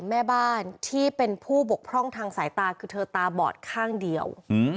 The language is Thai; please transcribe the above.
แม่บ้านที่เป็นผู้บกพร่องทางสายตาคือเธอตาบอดข้างเดียว